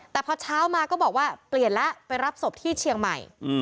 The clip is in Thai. แต่พอเช้ามาก็บอกว่าเปลี่ยนแล้วไปรับศพที่เชียงใหม่